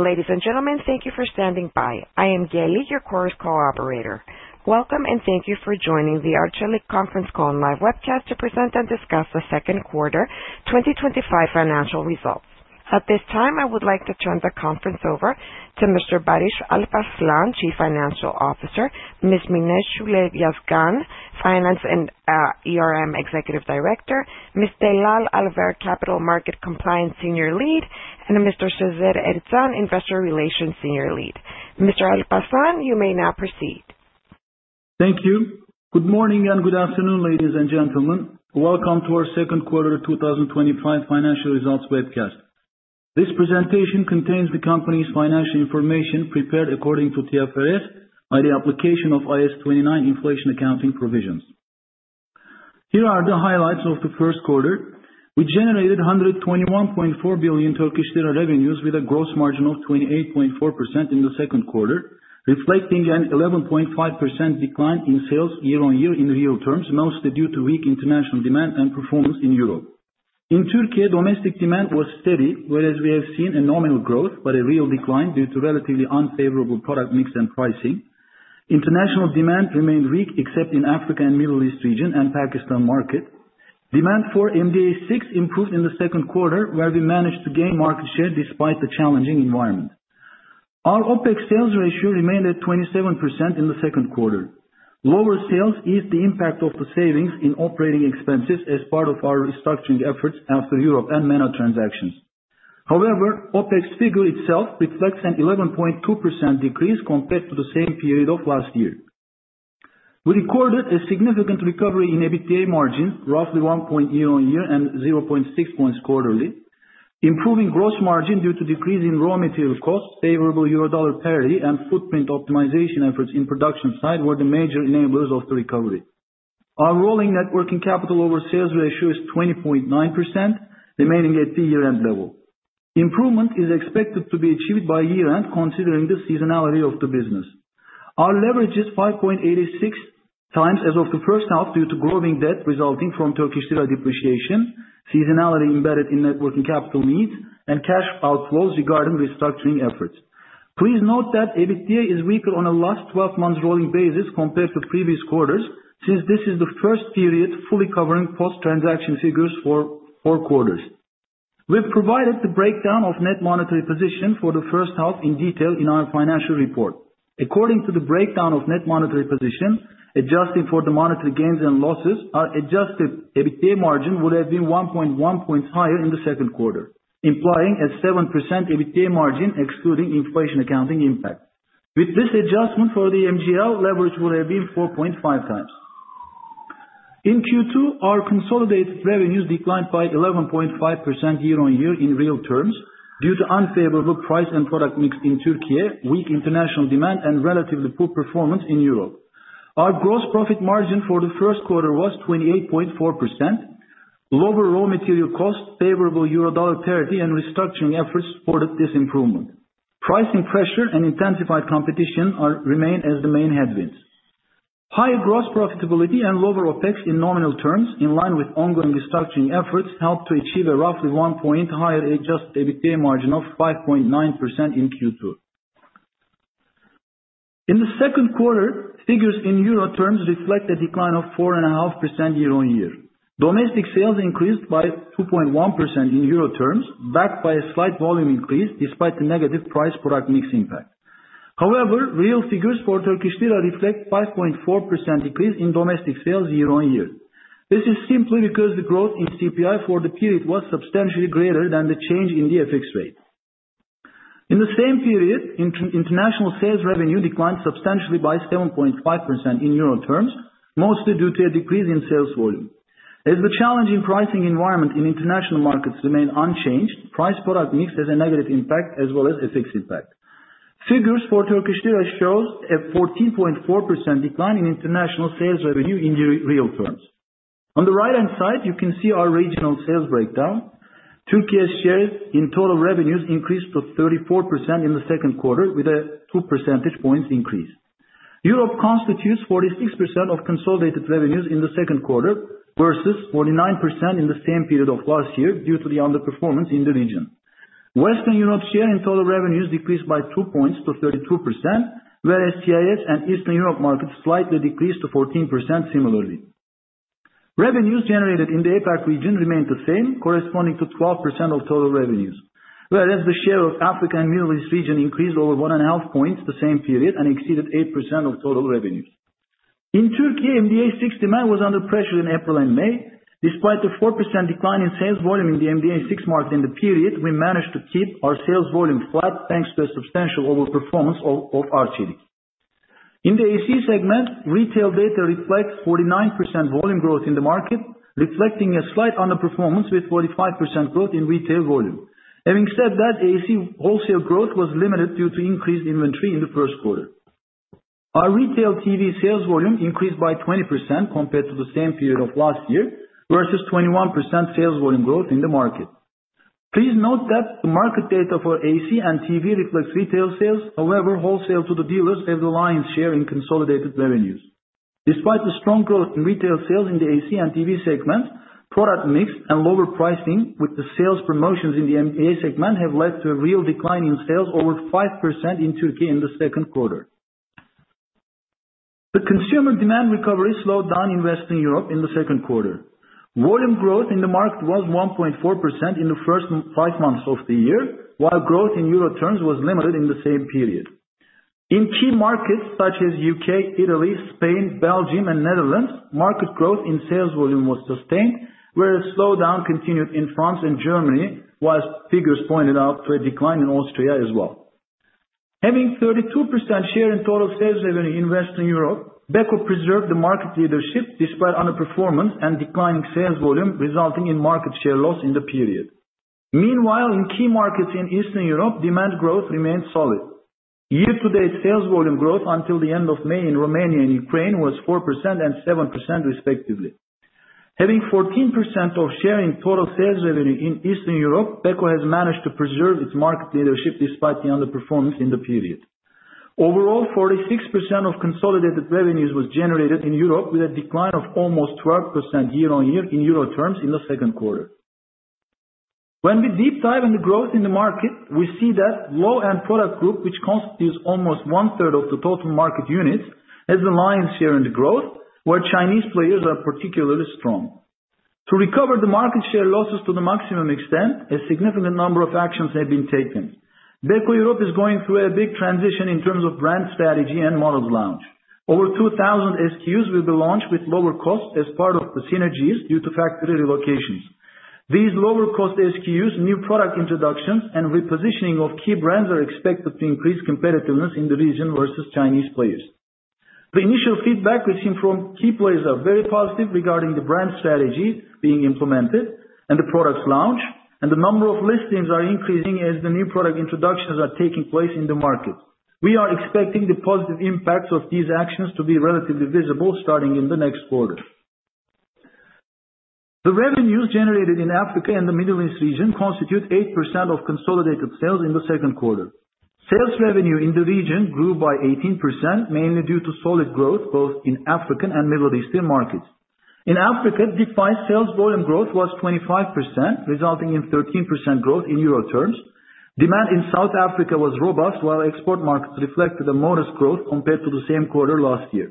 Ladies and gentlemen, thank you for standing by. I am Kelly, your Chorus Call operator. Welcome, and thank you for joining the Arçelik conference call live webcast to present and discuss the second quarter 2025 financial results. At this time, I would like to turn the conference over to Mr. Barış Alparslan, Chief Financial Officer, Ms. Mine Şule Yazgan, Finance and Executive Director, Ms. Delal Alver, Capital Market Compliance Senior Lead, and Mr. Sezer Ertan, Investor Relations Senior Lead. Mr. Alparslan, you may now proceed. Thank you. Good morning and good afternoon, ladies and gentlemen. Welcome to our second quarter 2025 financial results webcast. This presentation contains the company's financial information prepared according to TFRS by the application of IAS 29 Inflation Accounting Provisions. Here are the highlights of the first quarter. We generated 121.4 billion Turkish lira revenues with a gross margin of 28.4% in the second quarter, reflecting an 11.5% decline in sales year-on-year in real terms, mostly due to weak international demand and performance in Europe. In Türkiye, domestic demand was steady, whereas we have seen a nominal growth but a real decline due to relatively unfavorable product mix and pricing. International demand remained weak, except in the Africa and Middle East region and Pakistan market. Demand for MDA6 improved in the second quarter, where we managed to gain market share despite the challenging environment. Our OpEx sales ratio remained at 27% in the second quarter. Lower sales eased the impact of the savings in operating expenses as part of our restructuring efforts after Europe and MENA transactions. However, OpEx figure itself reflects an 11.2% decrease compared to the same period of last year. We recorded a significant recovery in EBITDA margins, roughly 1.0 on year and 0.6 points quarterly. Improving gross margin due to decrease in raw material costs, favorable euro/dollar parity, and footprint optimization efforts in production side were the major enablers of the recovery. Our rolling net working capital over sales ratio is 20.9%, remaining at the year-end level. Improvement is expected to be achieved by year-end, considering the seasonality of the business. Our leverage is 5.86 times as of the first half due to growing debt resulting from Turkish lira depreciation, seasonality embedded in net working capital needs, and cash outflows regarding restructuring efforts. Please note that EBITDA is weaker on a last 12-month rolling basis compared to previous quarters, since this is the first period fully covering post-transaction figures for four quarters. We've provided the breakdown of net monetary position for the first half in detail in our financial report. According to the breakdown of net monetary position, adjusting for the monetary gains and losses, our Adjusted EBITDA margin would have been 1.1 points higher in the second quarter, implying a 7% EBITDA margin excluding inflation accounting impact. With this adjustment for the MGL, leverage would have been 4.5x. In Q2, our consolidated revenues declined by 11.5% year-on-year in real terms due to unfavorable price and product mix in Türkiye, weak international demand, and relatively poor performance in Europe. Our gross profit margin for the first quarter was 28.4%. Lower raw material costs, favorable euro/dollar parity, and restructuring efforts supported this improvement. Pricing pressure and intensified competition remain as the main headwinds. Higher gross profitability and lower OpEx in nominal terms, in line with ongoing restructuring efforts, helped to achieve a roughly one point higher Adjusted EBITDA margin of 5.9% in Q2. In the second quarter, figures in euro terms reflect a decline of 4.5% year-on-year. Domestic sales increased by 2.1% in euro terms, backed by a slight volume increase despite the negative price-product mix impact. However, real figures for Turkish lira reflect a 5.4% decrease in domestic sales year-on-year. This is simply because the growth in CPI for the period was substantially greater than the change in the FX rate. In the same period, international sales revenue declined substantially by 7.5% in euro terms, mostly due to a decrease in sales volume. As the challenging pricing environment in international markets remained unchanged, price-product mix had a negative impact as well as FX impact. Figures for Turkish lira show a 14.4% decline in international sales revenue in real terms. On the right-hand side, you can see our regional sales breakdown. Türkiye's share in total revenues increased to 34% in the second quarter, with a 2 percentage points increase. Europe constitutes 46% of consolidated revenues in the second quarter versus 49% in the same period of last year due to the underperformance in the region. Western Europe's share in total revenues decreased by 2 points to 32%, whereas CIS and Eastern Europe markets slightly decreased to 14% similarly. Revenues generated in the APAC region remained the same, corresponding to 12% of total revenues, whereas the share of Africa and Middle East region increased over 1.5 points the same period and exceeded 8% of total revenues. In Türkiye, MDA6 demand was under pressure in April and May. Despite a 4% decline in sales volume in the MDA6 market in the period, we managed to keep our sales volume flat thanks to a substantial overperformance of Arçelik. In the AC segment, retail data reflects 49% volume growth in the market, reflecting a slight underperformance with 45% growth in retail volume. Having said that, AC wholesale growth was limited due to increased inventory in the first quarter. Our retail TV sales volume increased by 20% compared to the same period of last year versus 21% sales volume growth in the market. Please note that the market data for AC and TV reflects retail sales. However, wholesale to the dealers have the lion's share in consolidated revenues. Despite the strong growth in retail sales in the AC and TV segments, product mix and lower pricing with the sales promotions in the MDA segment have led to a real decline in sales over 5% in Türkiye in the second quarter. The consumer demand recovery slowed down in Western Europe in the second quarter. Volume growth in the market was 1.4% in the first five months of the year, while growth in euro terms was limited in the same period. In key markets such as U.K., Italy, Spain, Belgium, and Netherlands, market growth in sales volume was sustained, whereas slowdown continued in France and Germany, while figures pointed out to a decline in Austria as well. Having 32% share in total sales revenue in Western Europe, Beko preserved the market leadership despite underperformance and declining sales volume resulting in market share loss in the period. Meanwhile, in key markets in Eastern Europe, demand growth remained solid. Year-to-date sales volume growth until the end of May in Romania and Ukraine was 4% and 7% respectively. Having 14% of share in total sales revenue in Eastern Europe, Beko has managed to preserve its market leadership despite the underperformance in the period. Overall, 46% of consolidated revenues was generated in Europe, with a decline of almost 12% year-on-year in euro terms in the second quarter. When we deep dive into growth in the market, we see that low-end product group, which constitutes almost one-third of the total market units, has the lion's share in the growth, where Chinese players are particularly strong. To recover the market share losses to the maximum extent, a significant number of actions have been taken. Beko Europe is going through a big transition in terms of brand strategy and models launch. Over 2,000 SKUs will be launched with lower costs as part of the synergies due to factory relocations. These lower-cost SKUs, new product introductions, and repositioning of key brands are expected to increase competitiveness in the region versus Chinese players. The initial feedback we've seen from key players is very positive regarding the brand strategy being implemented and the products launched, and the number of listings are increasing as the new product introductions are taking place in the market. We are expecting the positive impacts of these actions to be relatively visible starting in the next quarter. The revenues generated in Africa and the Middle East region constitute 8% of consolidated sales in the second quarter. Sales revenue in the region grew by 18%, mainly due to solid growth both in African and Middle Eastern markets. In Africa, default sales volume growth was 25%, resulting in 13% growth in euro terms. Demand in South Africa was robust, while export markets reflected a modest growth compared to the same quarter last year.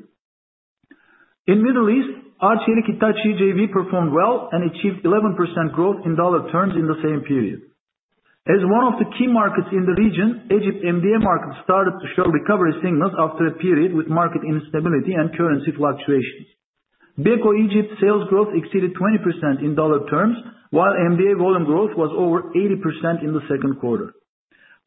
In the Middle East, Arçelik Hitachi JV performed well and achieved 11% growth in dollar terms in the same period. As one of the key markets in the region, Egypt's MDA market started to show recovery signals after a period with market instability and currency fluctuations. Beko Egypt's sales growth exceeded 20% in dollar terms, while MDA volume growth was over 80% in the second quarter.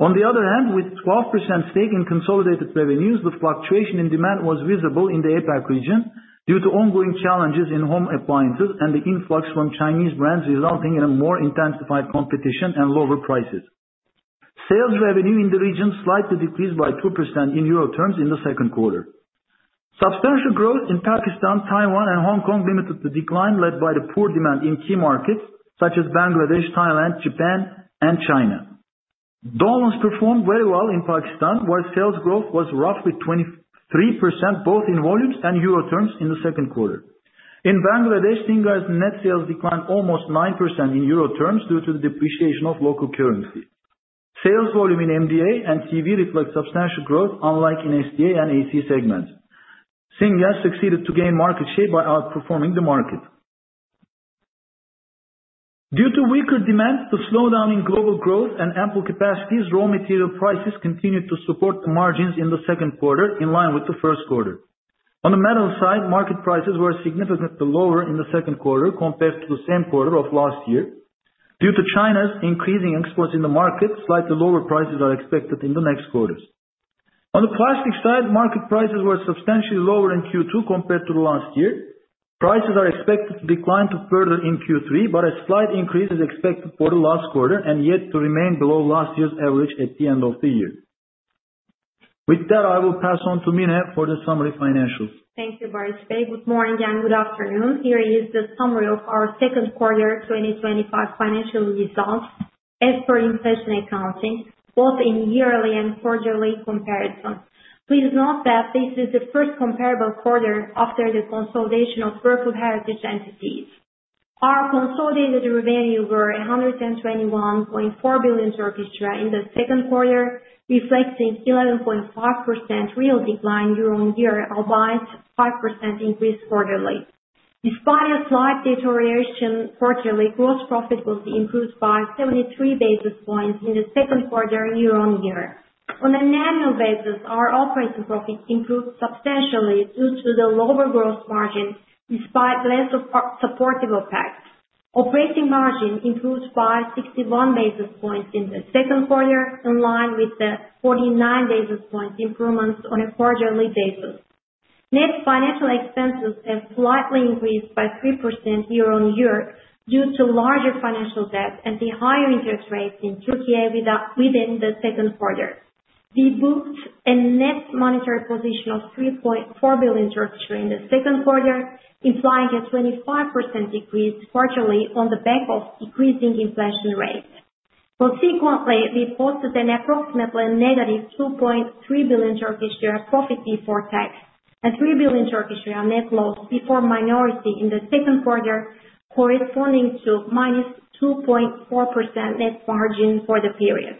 On the other hand, with a 12% stake in consolidated revenues, the fluctuation in demand was visible in the APAC region due to ongoing challenges in home appliances and the influx from Chinese brands, resulting in more intensified competition and lower prices. Sales revenue in the region slightly decreased by 2% in euro terms in the second quarter. Substantial growth in Pakistan, Taiwan, and Hong Kong limited the decline, led by the poor demand in key markets such as Bangladesh, Thailand, Japan, and China. Dawlance performed very well in Pakistan, where sales growth was roughly 23% both in volumes and euro terms in the second quarter. In Bangladesh, Singer's net sales declined almost 9% in euro terms due to the depreciation of local currency. Sales volume in MDA and TV reflects substantial growth, unlike in SDA and AC segments. Singer succeeded to gain market share by outperforming the market. Due to weaker demand, the slowdown in global growth and ample capacities, raw material prices continued to support the margins in the second quarter, in line with the first quarter. On the metal side, market prices were significantly lower in the second quarter compared to the same quarter of last year. Due to China's increasing exports in the market, slightly lower prices are expected in the next quarters. On the plastic side, market prices were substantially lower in Q2 compared to last year. Prices are expected to decline further in Q3, but a slight increase is expected for the last quarter and yet to remain below last year's average at the end of the year. With that, I will pass on to Mine for the summary financials. Thank you, Barış Bey. Good morning and good afternoon. Here is the summary of our second quarter 2025 financial results as per inflation accounting, both in yearly and quarterly comparison. Please note that this is the first comparable quarter after the consolidation of local heritage entities. Our consolidated revenue was 121.4 billion in the second quarter, reflecting an 11.5% real decline year-on-year and a 5% increase quarterly. Despite a slight deterioration quarterly, gross profit was improved by 73 basis points in the second quarter year-on-year. On an annual basis, our operating profit improved substantially due to the lower gross margin despite less supportive effects. Operating margin improved by 61 basis points in the second quarter, in line with the 49 basis points improvements on a quarterly basis. Net financial expenses have slightly increased by 3% year-on-year due to larger financial debt and the higher interest rates in Türkiye within the second quarter. We booked a net monetary position of 3.4 billion TRY in the second quarter, implying a 25% decrease quarterly on the back of decreasing inflation rate. Consequently, we posted an approximately negative 2.3 billion TRY profit before tax and 3 billion TRY net loss before minority in the second quarter, corresponding to minus 2.4% net margin for the period.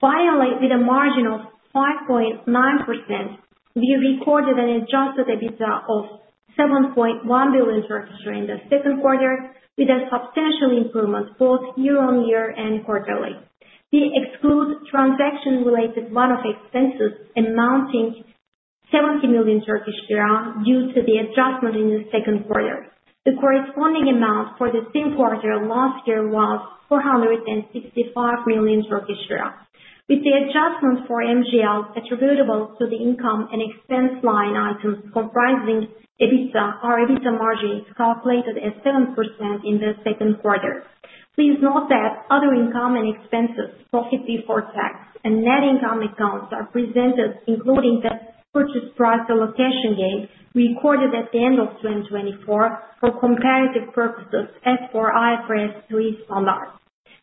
Finally, with a margin of 5.9%, we recorded an adjusted EBITDA of 7.1 billion TRY in the second quarter, with a substantial improvement both year-on-year and quarterly. We exclude transaction-related one-off expenses amounting to 70 million TRY due to the adjustment in the second quarter. The corresponding amount for the same quarter last year was 465 million Turkish lira. With the adjustment for MGL attributable to the income and expense line items comprising EBITDA, our EBITDA margin is calculated at 7% in the second quarter. Please note that other income and expenses, profit before tax, and net income accounts are presented, including the purchase price allocation gain recorded at the end of 2024 for comparative purposes as per IFRS 3 standard.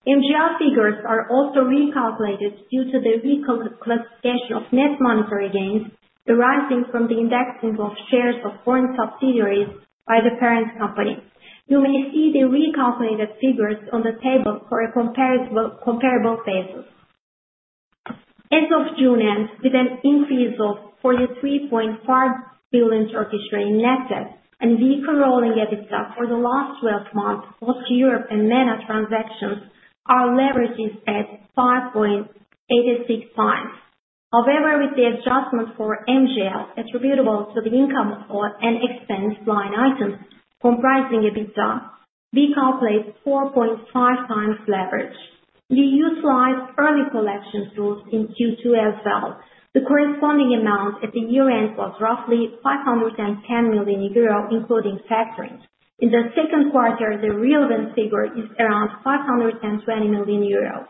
MGL figures are also recalculated due to the recalculation of net monetary gains arising from the indexing of shares of foreign subsidiaries by the parent company. You may see the recalculated figures on the table for a comparable basis. As of June end, with an increase of 43.5 billion in net debt and recurring EBITDA for the last 12 months, both Europe and MENA transactions are leveraged at 5.86 times. However, with the adjustment for MGL attributable to the income and expense line items comprising EBITDA, we calculate 4.5 times leverage. We utilize early collection rules in Q2 as well. The corresponding amount at the year-end was roughly 510 million euro, including factoring. In the second quarter, the relevant figure is around 520 million euro.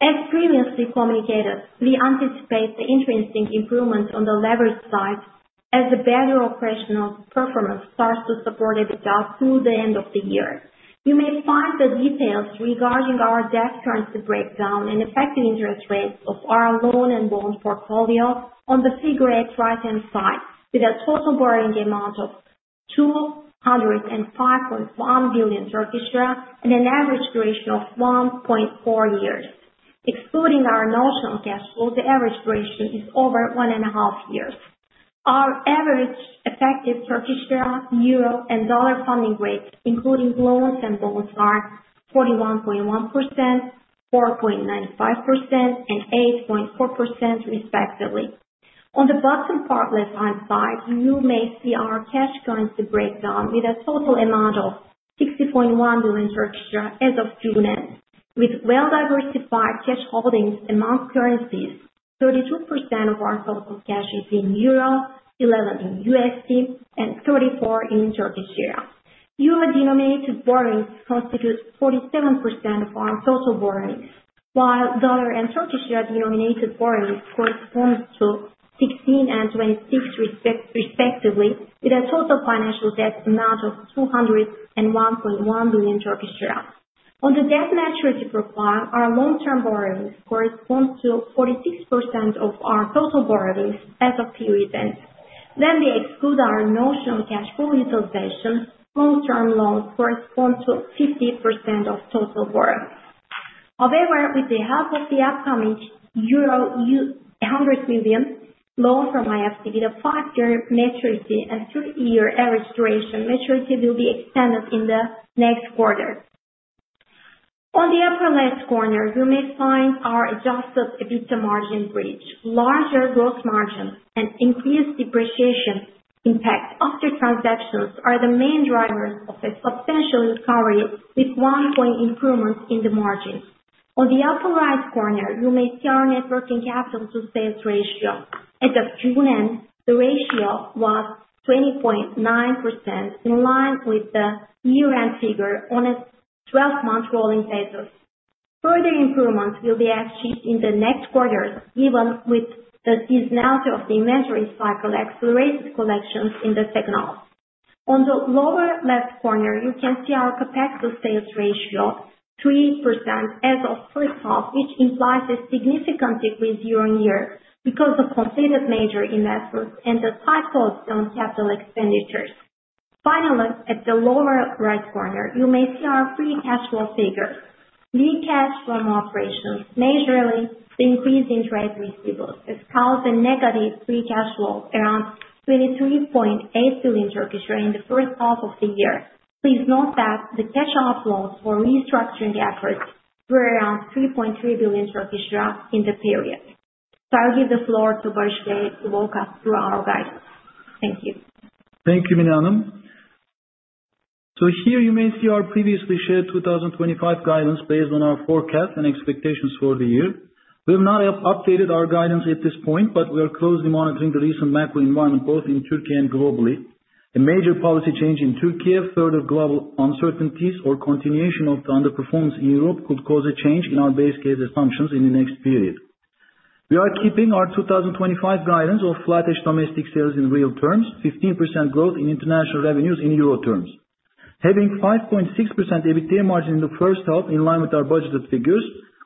As previously communicated, we anticipate the interesting improvement on the leverage side as the better operational performance starts to support EBITDA through the end of the year. You may find the details regarding our debt current breakdown and effective interest rates of our loan and bond portfolio on the figure at right-hand side, with a total borrowing amount of 205.1 billion Turkish lira and an average duration of 1.4 years. Excluding our notional cash flow, the average duration is over 1.5 years. Our average effective TRY, EUR, and dollar funding rates, including loans and bonds, are 41.1%, 4.95%, and 8.4% respectively. On the bottom part left-hand side, you may see our cash currency breakdown with a total amount of 60.1 billion as of June end. With well-diversified cash holdings among currencies, 32% of our total cash is in EUR, 11% in USD, and 34% in TRY. EUR-denominated borrowings constitute 47% of our total borrowings, while dollar and TRY-denominated borrowings correspond to 16% and 26% respectively, with a total financial debt amount of TRY 201.1 billion. On the debt maturity profile, our long-term borrowings correspond to 46% of our total borrowings as of Q2 end. When we exclude our notional cash pool utilization, long-term loans correspond to 50% of total borrowings. However, with the help of the upcoming euro 100 million loan from IFC, the 5-year maturity and 3-year average duration maturity will be extended in the next quarter. On the upper left corner, you may find our adjusted EBITDA margin bridge. Larger gross margin and increased depreciation impact after transactions are the main drivers of a substantial recovery, with one-point improvement in the margins. On the upper right corner, you may see our net working capital to sales ratio. As of June end, the ratio was 20.9%, in line with the year-end figure on a 12-month rolling basis. Further improvements will be achieved in the next quarters, even with the seasonality of the inventory cycle, accelerated collections in the second half. On the lower left corner, you can see our CapEx to sales ratio, 3% as of the first half, which implies a significant decrease year-on-year because of completed major investments and the tight focus on capital expenditures. Finally, at the lower right corner, you may see our free cash flow figures. Our cash from operations was majorly impacted by the increase in trade receivables, which caused a negative free cash flow around 23.8 billion TRY in the first half of the year. Please note that the cash outflows for restructuring efforts were around 3.3 billion TRY in the period. I'll give the floor to Barış Bey to walk us through our guidance. Thank you. Thank you, Mine Hanım. Here you may see our previously shared 2025 guidance based on our forecast and expectations for the year. We have not updated our guidance at this point, but we are closely monitoring the recent macro environment both in Türkiye and globally. A major policy change in Türkiye, further global uncertainties, or continuation of the underperformance in Europe could cause a change in our base case assumptions in the next period. We are keeping our 2025 guidance of flat-ish domestic sales in real terms, 15% growth in international revenues in euro terms. Having 5.6% EBITDA margin in the first half, in line with our budgeted figures,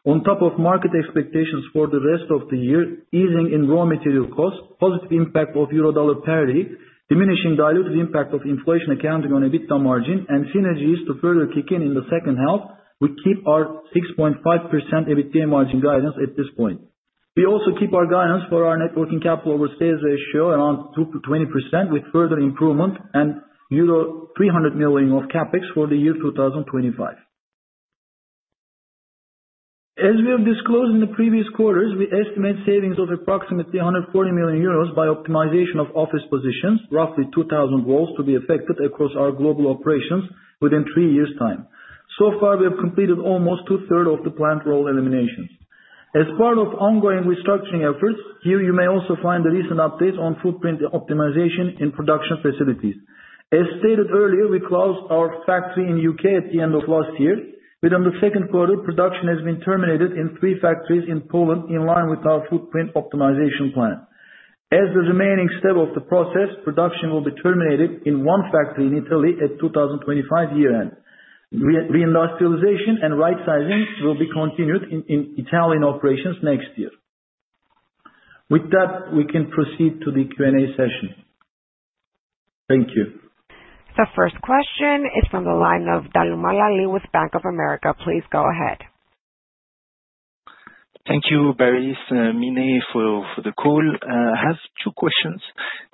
on top of market expectations for the rest of the year, easing in raw material costs, positive impact of euro/dollar parity, diminishing diluted impact of inflation accounting on EBITDA margin, and synergies to further kick in in the second half, we keep our 6.5% EBITDA margin guidance at this point. We also keep our guidance for our net working capital over sales ratio around 20%, with further improvement and euro 300 million of CapEx for the year 2025. As we have disclosed in the previous quarters, we estimate savings of approximately 140 million euros by optimization of office positions, roughly 2,000 roles to be affected across our global operations within three years' time. So far, we have completed almost two-thirds of the planned role eliminations. As part of ongoing restructuring efforts, here you may also find the recent updates on footprint optimization in production facilities. As stated earlier, we closed our factory in the U.K. at the end of last year, but in the second quarter, production has been terminated in three factories in Poland, in line with our footprint optimization plan. As the remaining step of the process, production will be terminated in one factory in Italy at 2025 year-end. Reindustrialization and rightsizing will be continued in Italian operations next year. With that, we can proceed to the Q&A session. Thank you. The first question is from the line of Damla Luş, Bank of America. Please go ahead. Thank you, Barış, Mine, for the call. I have two questions.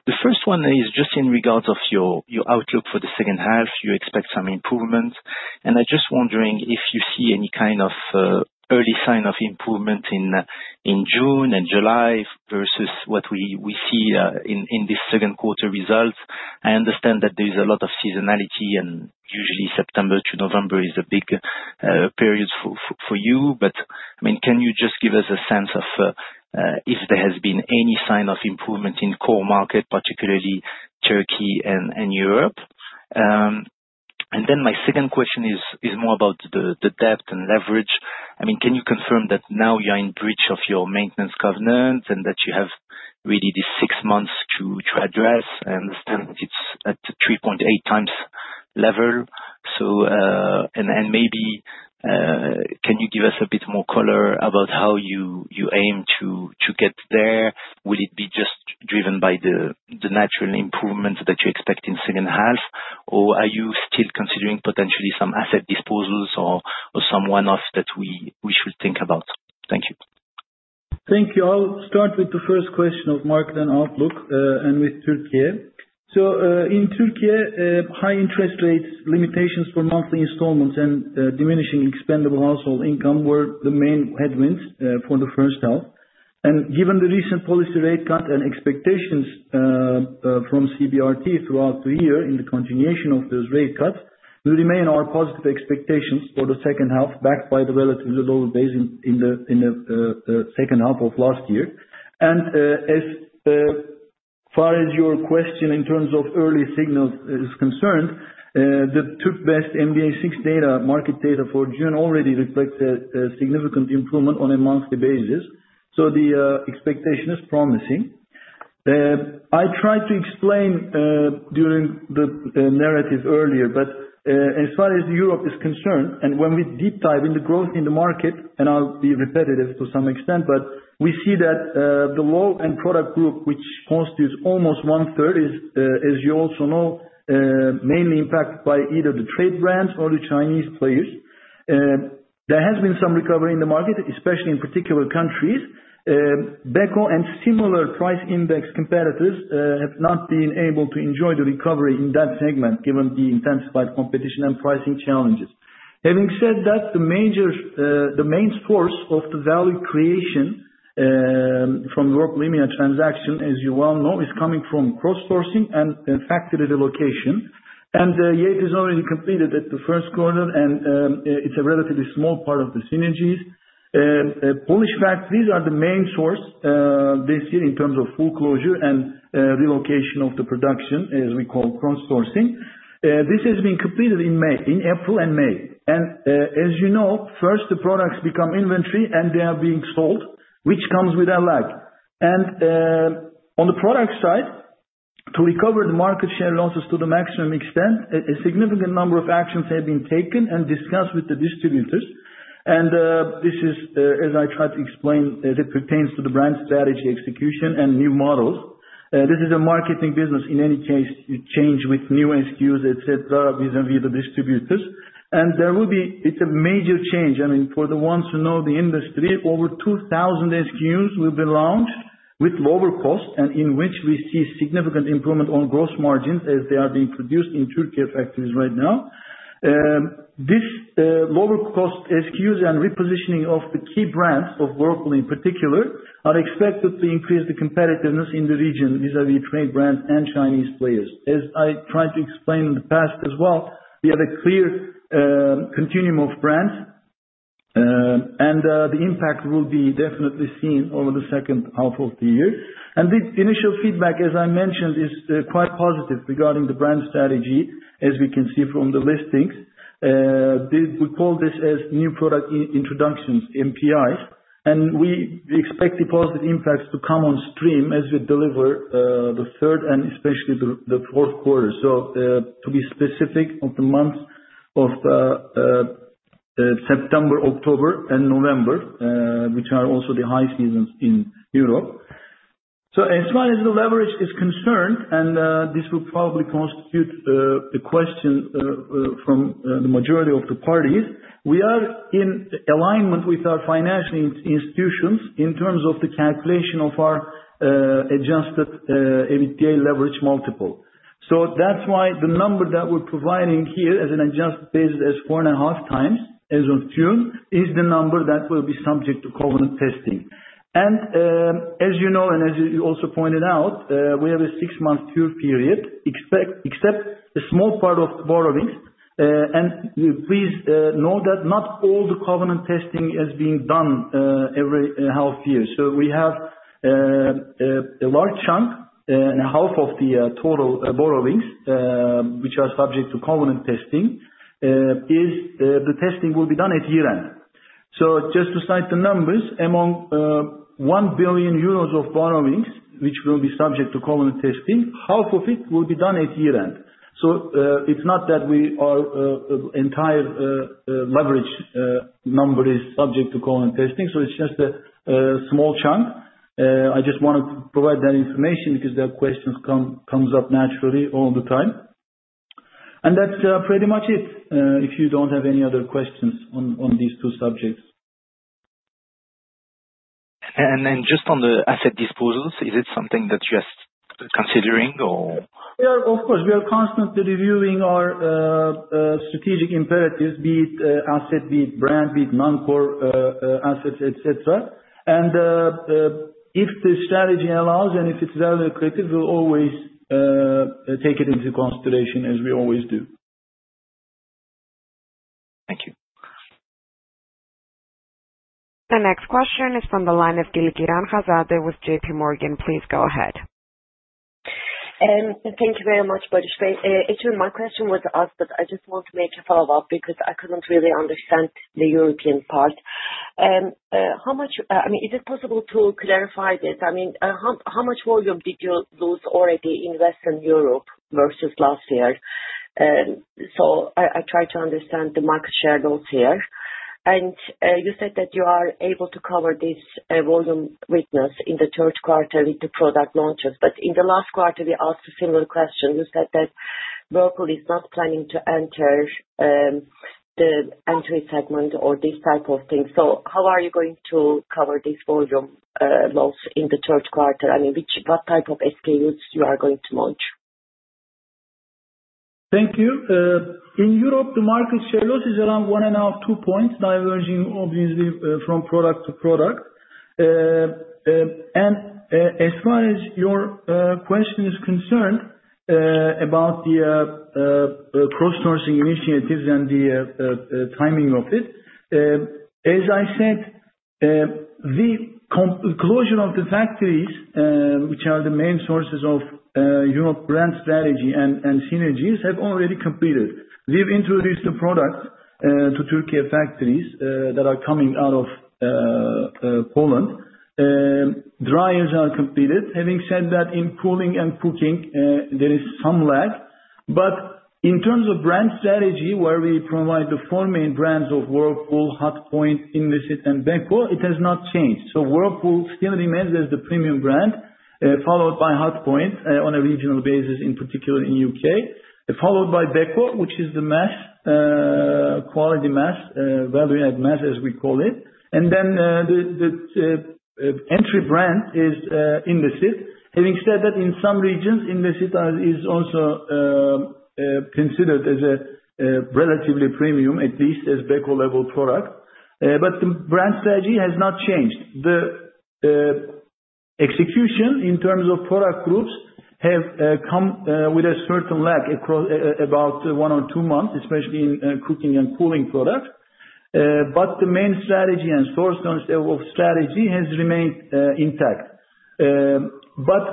The first one is just in regards of your outlook for the second half. You expect some improvements, and I'm just wondering if you see any kind of early sign of improvement in June and July versus what we see in this second quarter result. I understand that there is a lot of seasonality, and usually September to November is a big period for you. But I mean, can you just give us a sense of if there has been any sign of improvement in core market, particularly Türkiye and Europe? And then my second question is more about the debt and leverage. I mean, can you confirm that now you're in bridge of your maintenance covenant and that you have really these six months to address? I understand it's at the 3.8 times level. And maybe can you give us a bit more color about how you aim to get there? Will it be just driven by the natural improvements that you expect in the second half, or are you still considering potentially some asset disposals or some one-offs that we should think about? Thank you. Thank you. I'll start with the first question of market and outlook and with Türkiye. So in Türkiye, high interest rates, limitations for monthly installments, and diminishing disposable household income were the main headwinds for the first half. Given the recent policy rate cut and expectations from CBRT throughout the year in the continuation of those rate cuts, we remain on our positive expectations for the second half, backed by the relatively low base in the second half of last year. As far as your question in terms of early signals is concerned, the TÜRKBESD MDA6 data, market data for June, already reflects a significant improvement on a monthly basis. The expectation is promising. I tried to explain during the narrative earlier, but as far as Europe is concerned, and when we deep dive into growth in the market, and I'll be repetitive to some extent, but we see that the low-end product group, which constitutes almost one-third, is, as you also know, mainly impacted by either the trade brands or the Chinese players. There has been some recovery in the market, especially in particular countries. Beko and similar price index competitors have not been able to enjoy the recovery in that segment, given the intensified competition and pricing challenges. Having said that, the main source of the value creation from the Whirlpool transaction, as you well know, is coming from cross-sourcing and factory relocation. And yet it is already completed at the first quarter, and it's a relatively small part of the synergies. Polish factories are the main source this year in terms of full closure and relocation of the production, as we call cross-sourcing. This has been completed in April and May. And as you know, first, the products become inventory, and they are being sold, which comes with a lag. On the product side, to recover the market share losses to the maximum extent, a significant number of actions have been taken and discussed with the distributors. This is, as I tried to explain, as it pertains to the brand strategy execution and new models. This is a marketing business, in any case, to change with new SKUs, etc., vis-à-vis the distributors. There will be a major change. I mean, for the ones who know the industry, over 2,000 SKUs will be launched with lower cost, and in which we see significant improvement on gross margins as they are being produced in Türkiye factories right now. These lower-cost SKUs and repositioning of the key brands of Bauknecht in particular are expected to increase the competitiveness in the region vis-à-vis trade brands and Chinese players. As I tried to explain in the past as well, we have a clear continuum of brands, and the impact will be definitely seen over the second half of the year, and the initial feedback, as I mentioned, is quite positive regarding the brand strategy, as we can see from the listings. We call this as new product introductions, NPIs. We expect the positive impacts to come on stream as we deliver the third and especially the fourth quarter, so to be specific, of the months of September, October, and November, which are also the high seasons in Europe, so as far as the leverage is concerned, and this will probably constitute a question from the majority of the parties, we are in alignment with our financial institutions in terms of the calculation of our adjusted EBITDA leverage multiple. So that's why the number that we're providing here as an adjusted basis is 4.5 times as of June, is the number that will be subject to covenant testing. And as you know, and as you also pointed out, we have a six-month cure period, except a small part of borrowings. And please know that not all the covenant testing is being done every half year. So we have a large chunk, and half of the total borrowings, which are subject to covenant testing, is the testing will be done at year-end. So just to cite the numbers, among 1 billion euros of borrowings, which will be subject to covenant testing, half of it will be done at year-end. So it's not that our entire leverage number is subject to covenant testing. So it's just a small chunk. I just wanted to provide that information because that question comes up naturally all the time. And that's pretty much it, if you don't have any other questions on these two subjects. And then just on the asset disposals, is it something that you are considering, or? Of course, we are constantly reviewing our strategic imperatives, be it asset, be it brand, be it non-core assets, etc. And if the strategy allows and if it's value-creative, we'll always take it into consideration, as we always do. Thank you. The next question is from the line of Kilickiran, Hanzade with JPMorgan. Please go ahead. Thank you very much, Barış Bey. Actually, my question was asked, but I just want to make a follow-up because I couldn't really understand the European part. I mean, is it possible to clarify this? I mean, how much volume did you lose already in Western Europe versus last year? So I try to understand the market share loss here. And you said that you are able to cover this volume weakness in the third quarter with the product launches. But in the last quarter, we asked a similar question. You said that Bauknecht is not planning to enter the entry segment or this type of thing. So how are you going to cover this volume loss in the third quarter? I mean, what type of SKUs you are going to launch? Thank you. In Europe, the market share loss is around 1.5-2 points, diverging obviously from product to product. As far as your question is concerned about the cross-sourcing initiatives and the timing of it, as I said, the closure of the factories, which are the main sources of European brand strategy and synergies, have already completed. We've introduced the products to Türkiye factories that are coming out of Poland. Dryers are completed. Having said that, in cooling and cooking, there is some lag. But in terms of brand strategy, where we provide the four main brands of Bauknecht, Hotpoint, Indesit, and Beko, it has not changed, so Bauknecht still remains as the premium brand, followed by Hotpoint on a regional basis, in particular in the U.K., followed by Beko, which is the quality mass, value-add mass, as we call it, and then the entry brand is Indesit. Having said that, in some regions, Indesit is also considered as a relatively premium, at least as Beko-level product. But the brand strategy has not changed. The execution in terms of product groups has come with a certain lag across about one or two months, especially in cooking and cooling products. But the main strategy and source of strategy has remained intact. But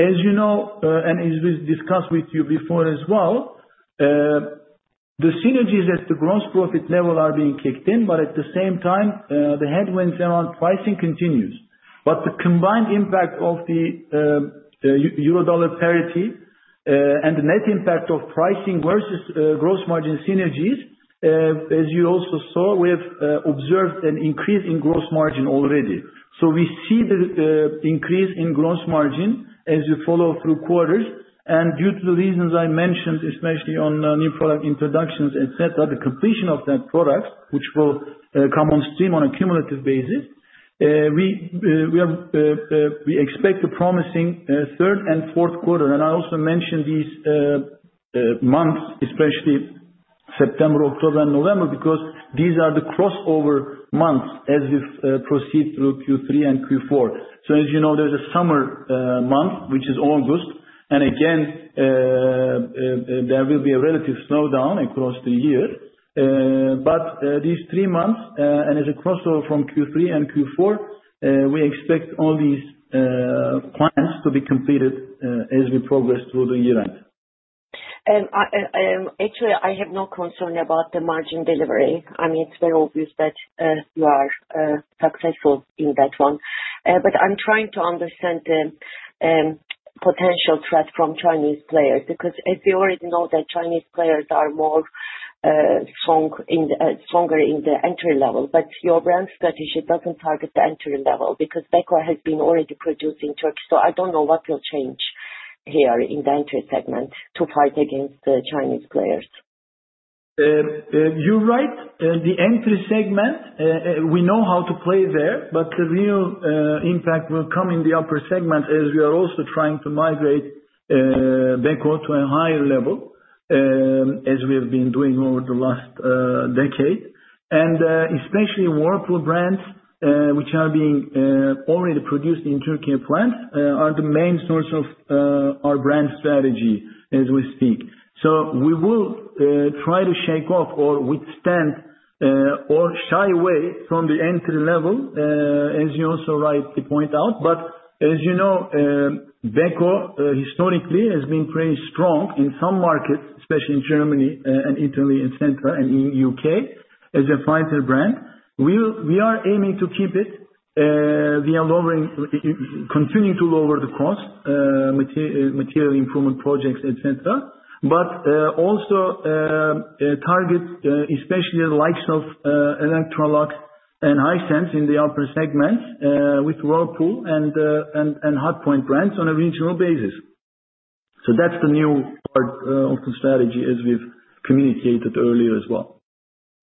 as you know, and as we discussed with you before as well, the synergies at the gross profit level are being kicked in, but at the same time, the headwinds around pricing continue. But the combined impact of the euro/dollar parity and the net impact of pricing versus gross margin synergies, as you also saw, we have observed an increase in gross margin already. So we see the increase in gross margin as we follow through quarters. And due to the reasons I mentioned, especially on new product introductions, etc., the completion of that product, which will come on stream on a cumulative basis, we expect a promising third and fourth quarter. And I also mentioned these months, especially September, October, and November, because these are the crossover months as we proceed through Q3 and Q4. So as you know, there's a summer month, which is August. And again, there will be a relative slowdown across the year. But these three months, and as a crossover from Q3 and Q4, we expect all these plans to be completed as we progress through the year-end. Actually, I have no concern about the margin delivery. I mean, it's very obvious that you are successful in that one. But I'm trying to understand the potential threat from Chinese players because, as you already know, the Chinese players are stronger in the entry level. Your brand strategy doesn't target the entry level because Beko has been already producing in Türkiye. So I don't know what will change here in the entry segment to fight against the Chinese players. You're right. The entry segment, we know how to play there. But the real impact will come in the upper segment as we are also trying to migrate Beko to a higher level, as we have been doing over the last decade. And especially Bauknecht brands, which are being already produced in Türkiye plants, are the main source of our brand strategy as we speak. So we will try to shake off or withstand or shy away from the entry level, as you also rightly point out. But as you know, Beko historically has been pretty strong in some markets, especially in Germany and Italy and Central and in the U.K., as a fighter brand. We are aiming to keep it. We are continuing to lower the cost, material improvement projects, etc. But also target, especially the likes of Electrolux and Hisense in the upper segment with Bauknecht and Hotpoint brands on a regional basis. So that's the new part of the strategy, as we've communicated earlier as well.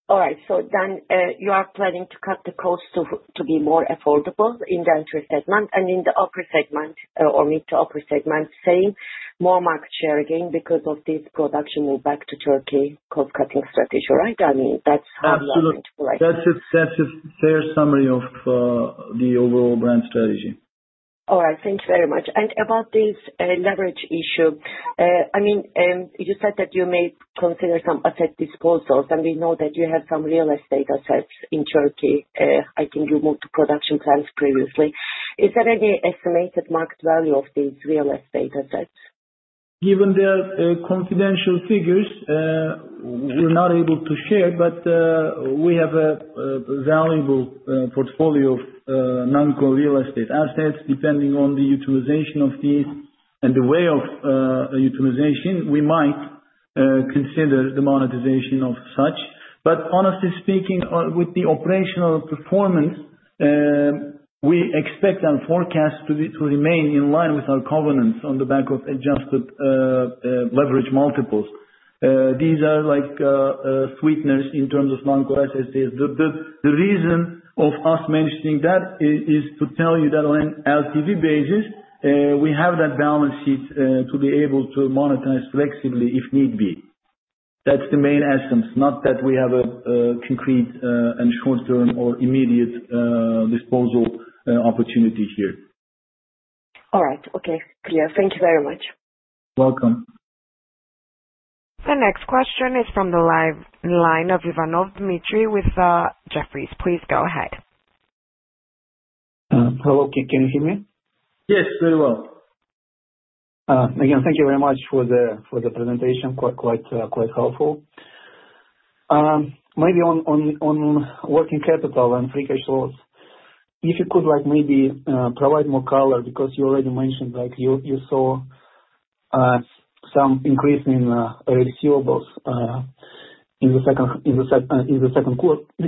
All right. So then you are planning to cut the cost to be more affordable in the entry segment and in the upper segment or mid to upper segment, gaining more market share again because of this production move back to Turkey cost-cutting strategy, right? I mean, that's how you're going to play. Absolutely. That's a fair summary of the overall brand strategy. All right. Thank you very much and about this leverage issue, I mean, you said that you may consider some asset disposals and we know that you have some real estate assets in Türkiye. I think you moved to production plants previously. Is there any estimated market value of these real estate assets? Given their confidential figures, we're not able to share, but we have a valuable portfolio of non-core real estate assets. Depending on the utilization of these and the way of utilization, we might consider the monetization of such, but honestly speaking, with the operational performance, we expect our forecast to remain in line with our covenants on the back of adjusted leverage multiples. These are like sweeteners in terms of non-core assets. The reason of us mentioning that is to tell you that on an LTV basis, we have that balance sheet to be able to monetize flexibly if need be. That's the main essence, not that we have a concrete and short-term or immediate disposal opportunity here. All right. Okay. Clear. Thank you very much. You're welcome. The next question is from the live line of Dmitry Ivanov with Jefferies. Please go ahead. Hello. Can you hear me? Yes, very well. Again, thank you very much for the presentation. Quite helpful. Maybe on working capital and free cash flows, if you could maybe provide more color because you already mentioned you saw some increase in receivables in the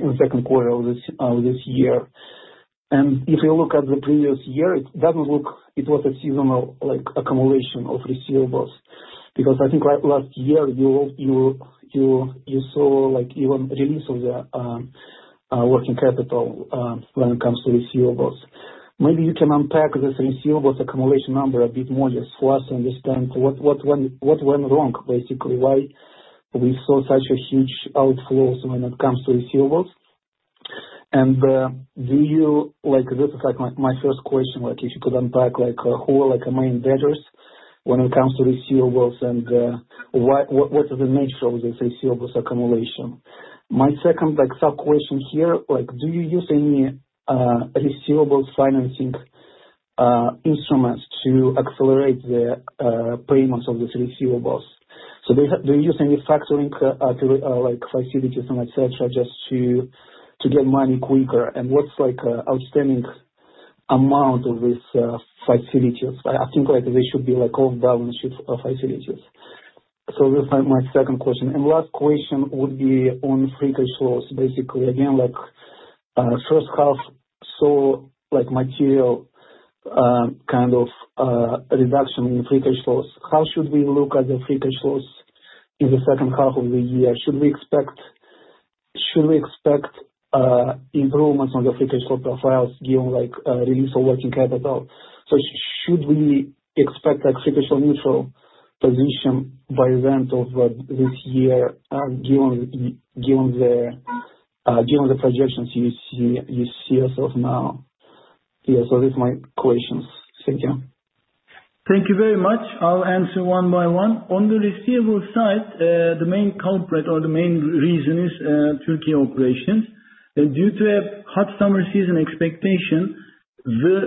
second quarter of this year. If you look at the previous year, it doesn't look it was a seasonal accumulation of receivables because I think last year you saw even release of the working capital when it comes to receivables. Maybe you can unpack this receivables accumulation number a bit more just for us to understand what went wrong, basically, why we saw such a huge outflows when it comes to receivables. This is my first question, if you could unpack who are the main vendors when it comes to receivables and what is the nature of this receivables accumulation. My second sub-question here, do you use any receivables financing instruments to accelerate the payments of these receivables? So do you use any factoring facilities and etc. just to get money quicker? What's an outstanding amount of these facilities? I think they should be off-balance sheet facilities. So this is my second question. And last question would be on free cash flows, basically. Again, first half saw material kind of reduction in free cash flows. How should we look at the free cash flows in the second half of the year? Should we expect improvements on the free cash flow profiles given release of working capital? So should we expect a free cash flow neutral position by the end of this year given the projections you see yourself now? Yeah. So these are my questions. Thank you. Thank you very much. I'll answer one by one. On the receivable side, the main culprit or the main reason is Türkiye operations. Due to a hot summer season expectation, the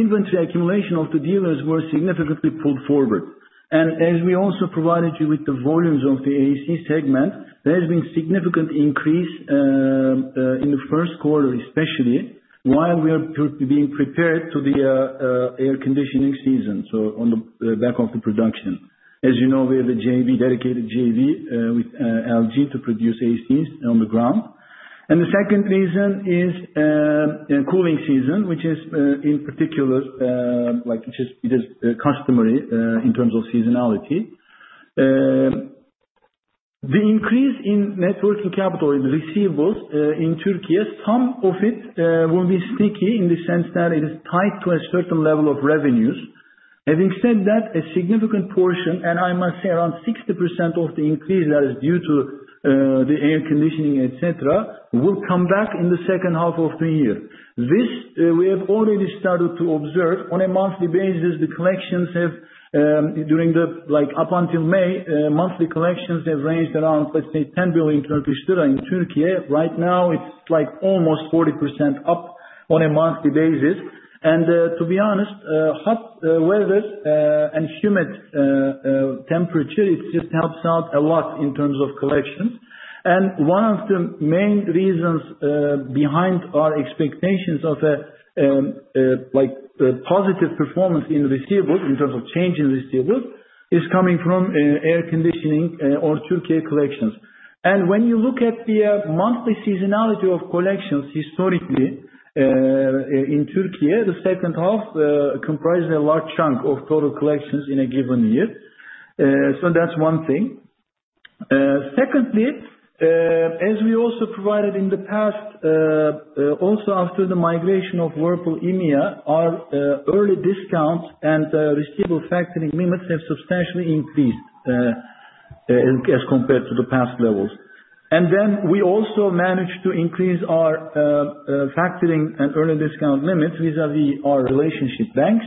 inventory accumulation of the dealers was significantly pulled forward. And as we also provided you with the volumes of the AC segment, there has been a significant increase in the first quarter, especially while we are being prepared to the air conditioning season, so on the back of the production. As you know, we have a dedicated JV with LG to produce ACs on the ground. And the second reason is cooling season, which is, in particular, it is customary in terms of seasonality. The increase in net working capital in receivables in Türkiye, some of it will be sticky in the sense that it is tied to a certain level of revenues. Having said that, a significant portion, and I must say around 60% of the increase that is due to the air conditioning, etc., will come back in the second half of the year. This, we have already started to observe. On a monthly basis, the collections have, up until May, ranged around, let's say, 10 billion in Türkiye. Right now, it's almost 40% up on a monthly basis. And to be honest, hot weather and humid temperature, it just helps out a lot in terms of collections. And one of the main reasons behind our expectations of a positive performance in receivables in terms of change in receivables is coming from air conditioning in Türkiye collections. And when you look at the monthly seasonality of collections historically in Türkiye, the second half comprises a large chunk of total collections in a given year. So that's one thing. Secondly, as we also provided in the past, after the migration of Beko EMEA, our early discounts and receivable factoring limits have substantially increased as compared to the past levels. And then we also managed to increase our factoring and early discount limits vis-à-vis our relationship banks.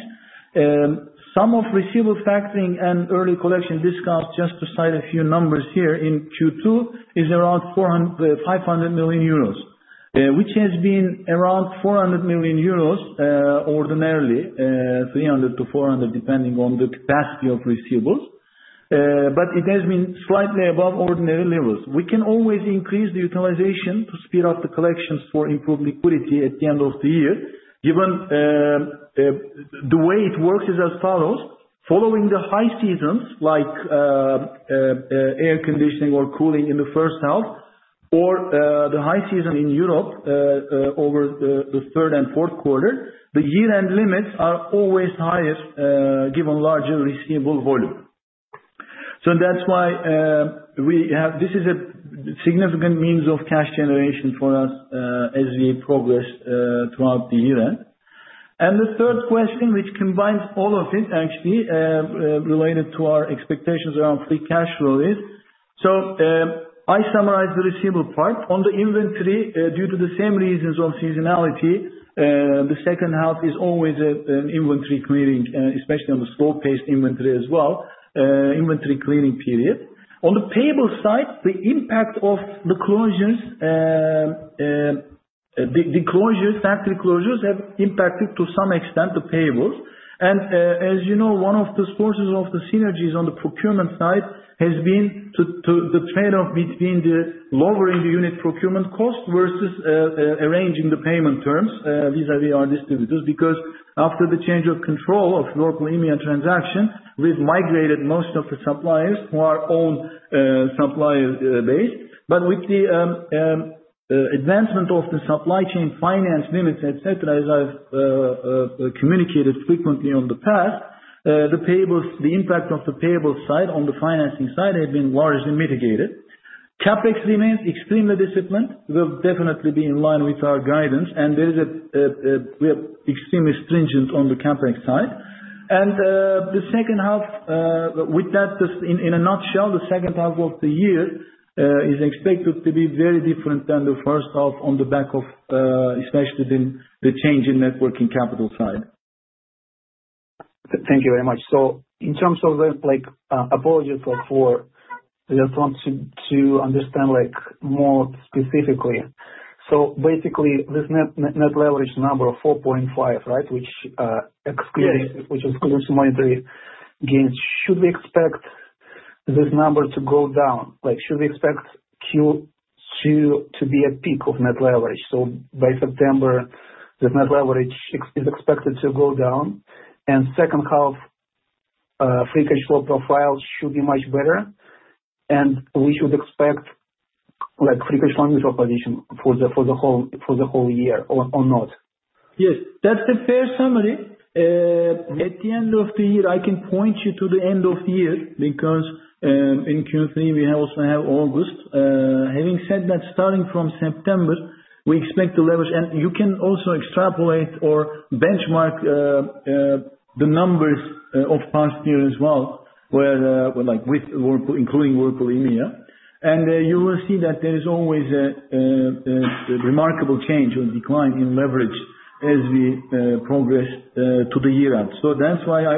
Some of receivable factoring and early collection discounts, just to cite a few numbers here, in Q2 is around 500 million euros, which has been around 400 million euros ordinarily, 300 to 400 depending on the capacity of receivables. But it has been slightly above ordinary levels. We can always increase the utilization to speed up the collections for improved liquidity at the end of the year. Given the way it works is as follows. Following the high seasons, like air conditioning or cooling in the first half or the high season in Europe over the third and fourth quarter, the year-end limits are always higher given larger receivable volume. So that's why this is a significant means of cash generation for us as we progress throughout the year. The third question, which combines all of it, actually, related to our expectations around free cash flow is, so I summarized the receivable part. On the inventory, due to the same reasons of seasonality, the second half is always an inventory clearing, especially on the slow-paced inventory as well, inventory clearing period. On the payables side, the impact of the closures, the factory closures, have impacted to some extent the payables. And as you know, one of the sources of the synergies on the procurement side has been the trade-off between lowering the unit procurement cost versus arranging the payment terms vis-à-vis our distributors because after the change of control of the Whirlpool EMEA transaction, we've migrated most of the suppliers who are our own supplier base. But with the advancement of the supply chain finance limits, etc., as I've communicated frequently in the past, the impact of the payables side on the financing side has been largely mitigated. CapEx remains extremely disciplined. We'll definitely be in line with our guidance. And we are extremely stringent on the CapEx side. And the second half, with that, in a nutshell, the second half of the year is expected to be very different than the first half on the back of, especially the change in net working capital side. Thank you very much. So, apologies, I just want to understand more specifically. So basically, this net leverage number of 4.5, right, which excludes monetary gains, should we expect this number to go down? Should we expect Q2 to be a peak of net leverage? So by September, the net leverage is expected to go down. Second half, free cash flow profile should be much better. And we should expect free cash flow neutral position for the whole year or not? Yes. That's a fair summary. At the end of the year, I can point you to the end of the year because in Q3, we also have August. Having said that, starting from September, we expect the leverage and you can also extrapolate or benchmark the numbers of past year as well with including Beko EMEA. And you will see that there is always a remarkable change or decline in leverage as we progress to the year-end. So that's why I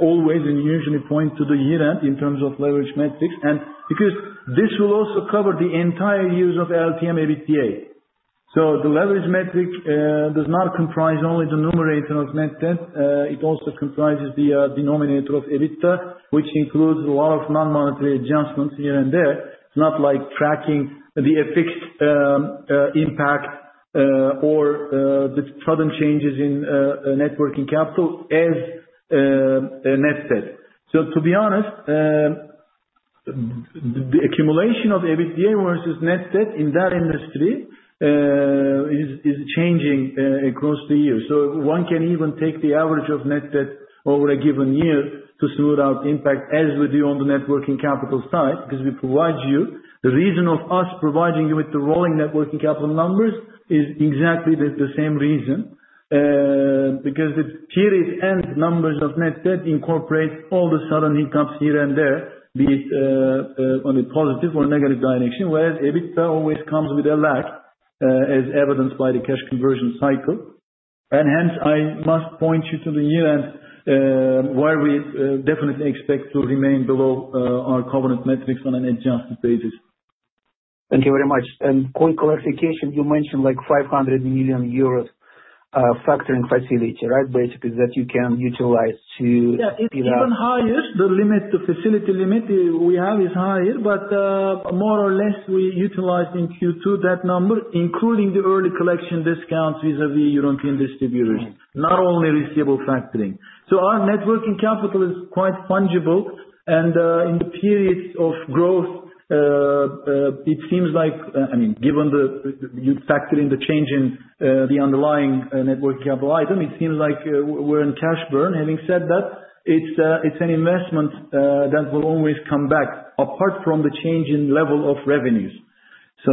always and usually point to the year-end in terms of leverage metrics. And because this will also cover the entire years of LTM EBITDA. So the leverage metric does not comprise only the numerator of net debt. It also comprises the denominator of EBITDA, which includes a lot of non-monetary adjustments here and there. It's not like tracking the fixed impact or the sudden changes in net working capital as net debt. So to be honest, the accumulation of EBITDA versus net debt in that industry is changing across the year. So one can even take the average of net debt over a given year to smooth out impact as we do on the net working capital side because we provide you the reason of us providing you with the rolling net working capital numbers is exactly the same reason because the period and numbers of net debt incorporate all the sudden hiccups here and there, be it on a positive or negative direction, whereas EBITDA always comes with a lag as evidenced by the cash conversion cycle. Hence, I must point you to the year-end where we definitely expect to remain below our covenant metrics on an adjusted basis. Thank you very much. Quick clarification, you mentioned 500 million euros factoring facility, right, basically that you can utilize to. Yeah. It's even higher. The facility limit we have is higher, but more or less, we utilized in Q2 that number, including the early collection discounts vis-à-vis European distributors, not only receivable factoring. Our net working capital is quite fungible. In the periods of growth, it seems like, I mean, given the factor in the change in the underlying net working capital item, it seems like we're in cash burn. Having said that, it's an investment that will always come back apart from the change in level of revenues. So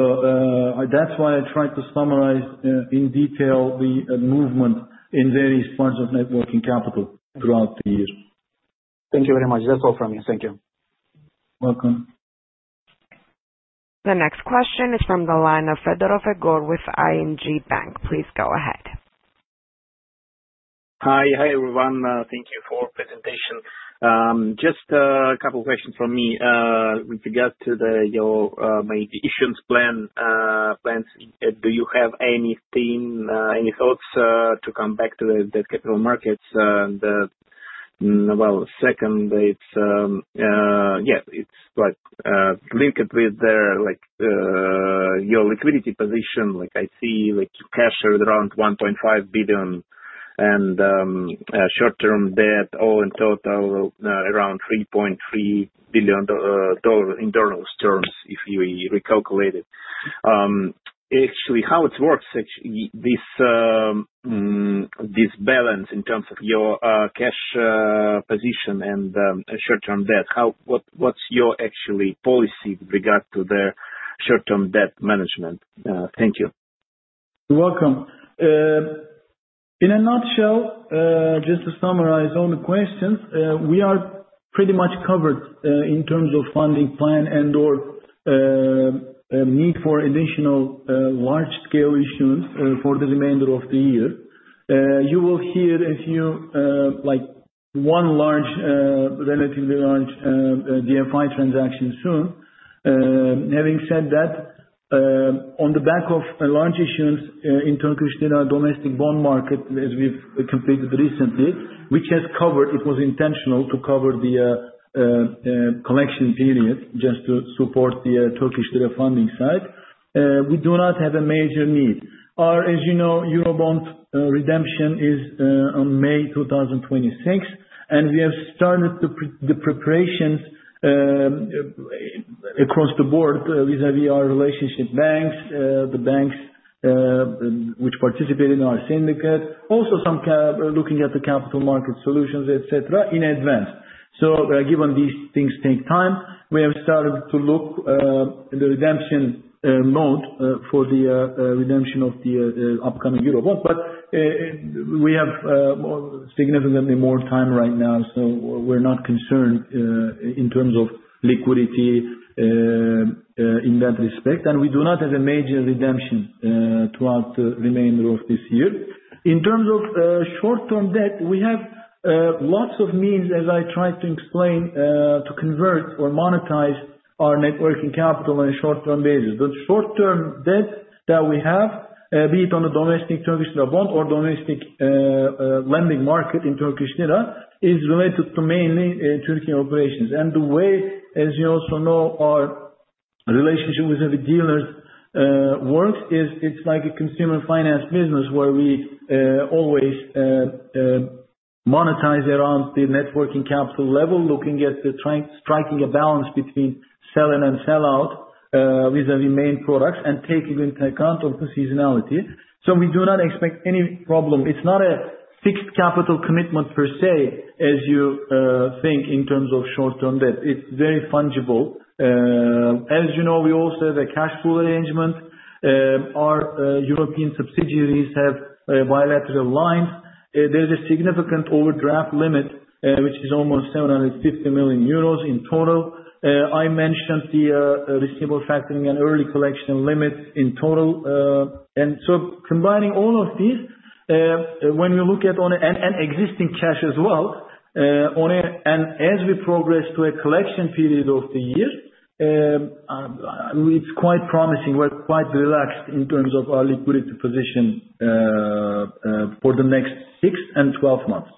that's why I tried to summarize in detail the movement in various parts of net working capital throughout the year. Thank you very much. That's all from me. Thank you. Welcome. The next question is from the line of Egor Fedorov with ING Bank. Please go ahead. Hi. Hi everyone. Thank you for the presentation. Just a couple of questions from me. With regard to your maybe issuance plans, do you have anything, any thoughts to come back to the capital markets? Well, second, yeah, it's linked with your liquidity position. I see cash around $1.5 billion and short-term debt all in total around $3.3 billion in dollars terms if we recalculate it. Actually, how it works, this balance in terms of your cash position and short-term debt, what's your actual policy with regard to the short-term debt management? Thank you. Welcome. In a nutshell, just to summarize all the questions, we are pretty much covered in terms of funding plan and/or need for additional large-scale issuance for the remainder of the year. You will hear about one large, relatively large DFI transaction soon. Having said that, on the back of large issuance in Turkish lira domestic bond market that we've completed recently, which has covered. It was intentional to cover the collection period just to support the Turkish lira funding side. We do not have a major need. As you know, Eurobond redemption is on May 2026, and we have started the preparations across the board vis-à-vis our relationship banks, the banks which participate in our syndicate, also some looking at the capital market solutions, etc., in advance, so given these things take time, we have started to look at the redemption mode for the redemption of the upcoming Eurobond. But we have significantly more time right now. So we're not concerned in terms of liquidity in that respect. And we do not have a major redemption throughout the remainder of this year. In terms of short-term debt, we have lots of means, as I tried to explain, to convert or monetize our net working capital on a short-term basis. The short-term debt that we have, be it on the domestic Turkish lira bond or domestic lending market in Turkish lira, is related to mainly Türkiye operations. And the way, as you also know, our relationship with the dealers works is it's like a consumer finance business where we always monetize around the net working capital level, looking at striking a balance between selling and sell-out vis-à-vis main products and taking into account of the seasonality. So we do not expect any problem. It's not a fixed capital commitment per se, as you think, in terms of short-term debt. It's very fungible. As you know, we also have a cash pool arrangement. Our European subsidiaries have bilateral lines. There's a significant overdraft limit, which is almost 750 million euros in total. I mentioned the receivable factoring and early collection limit in total. And so combining all of these, when we look at an existing cash as well, and as we progress to a collection period of the year, it's quite promising. We're quite relaxed in terms of our liquidity position for the next six and 12 months.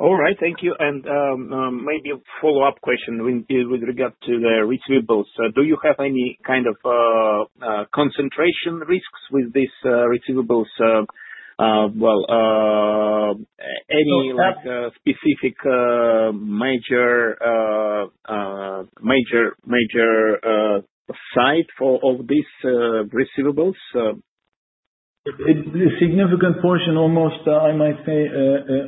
All right. Thank you. And maybe a follow-up question with regard to the receivables. Do you have any kind of concentration risks with these receivables? Well, any specific major side of these receivables? A significant portion, almost, I might say,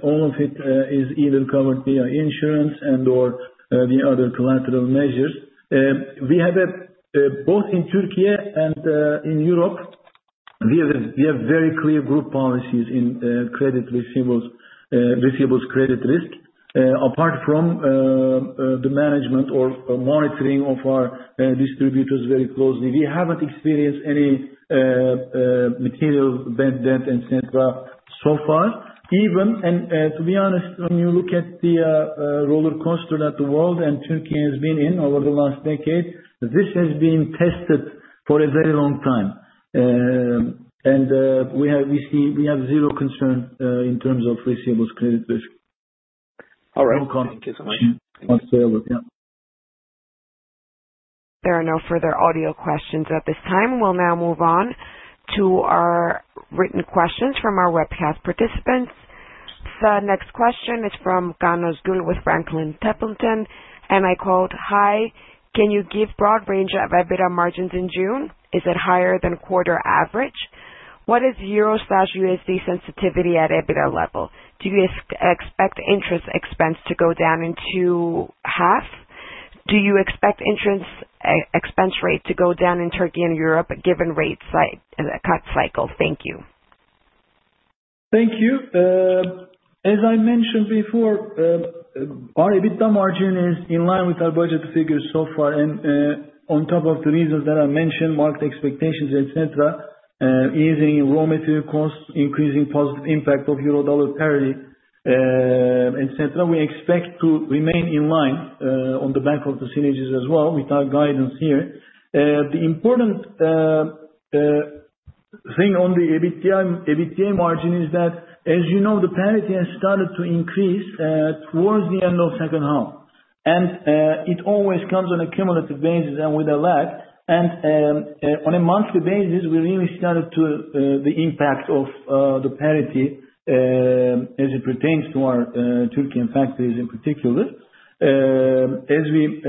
all of it is either covered via insurance and/or the other collateral measures. We have both in Türkiye and in Europe. We have very clear group policies in credit receivables, receivables credit risk, apart from the management or monitoring of our distributors very closely. We haven't experienced any material bad debt, etc., so far, and to be honest, when you look at the roller coaster that the world and Türkiye has been in over the last decade, this has been tested for a very long time. And we have zero concern in terms of receivables credit risk. All right. Thank you so much. Thank you. There are no further audio questions at this time. We'll now move on to our written questions from our webcast participants. The next question is from Can Ozguzel with Franklin Templeton. I quote, "Hi, can you give broad range of EBITDA margins in June? Is it higher than quarter average? What is EUR/USD sensitivity at EBITDA level? Do you expect interest expense to go down into half? Do you expect interest expense rate to go down in Türkiye and Europe given rate cut cycle?" Thank you. Thank you. As I mentioned before, our EBITDA margin is in line with our budget figures so far. On top of the reasons that I mentioned, market expectations, etc., easing raw material costs, increasing positive impact of euro/dollar parity, etc., we expect to remain in line on the back of the synergies as well with our guidance here. The important thing on the EBITDA margin is that, as you know, the parity has started to increase towards the end of second half. It always comes on a cumulative basis and with a lag. On a monthly basis, we really started to see the impact of the parity as it pertains to our Türkiye and factories in particular as we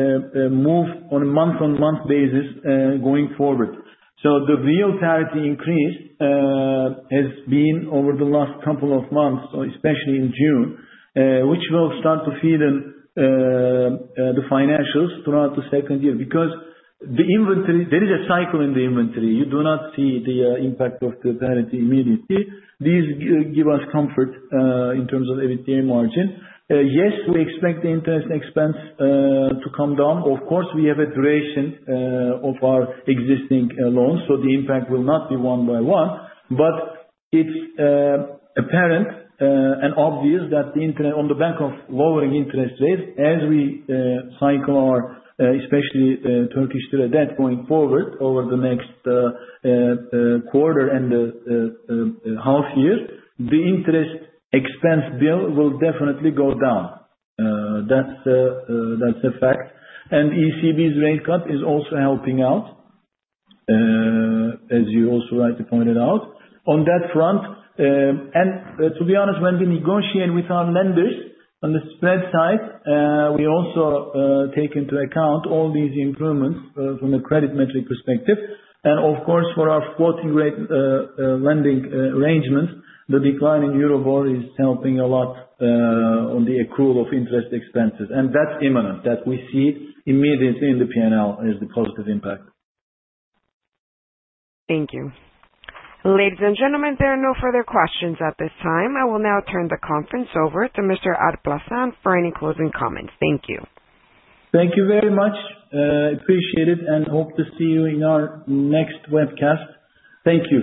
move on a month-on-month basis going forward. So the real parity increase has been over the last couple of months, especially in June, which will start to feed in the financials throughout the second half because there is a cycle in the inventory. You do not see the impact of the parity immediately. This gives us comfort in terms of EBITDA margin. Yes, we expect the interest expense to come down. Of course, we have a duration of our existing loans, so the impact will not be one by one. But it's apparent and obvious that on the back of lowering interest rates, as we cycle our especially Turkish lira debt going forward over the next quarter and the half year, the interest expense bill will definitely go down. That's a fact. And ECB's rate cut is also helping out, as you also rightly pointed out on that front. And to be honest, when we negotiate with our lenders on the spread side, we also take into account all these improvements from a credit metric perspective. And of course, for our floating rate lending arrangements, the decline in euro/dollar is helping a lot on the accrual of interest expenses. And that's imminent that we see immediately in the P&L as the positive impact. Thank you. Ladies and gentlemen, there are no further questions at this time. I will now turn the conference over to Mr. Alparslan for any closing comments. Thank you. Thank you very much. Appreciate it, and hope to see you in our next webcast. Thank you.